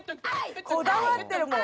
こだわってるもん。